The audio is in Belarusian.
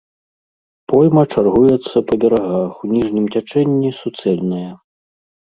Пойма чаргуецца па берагах, у ніжнім цячэнні суцэльная.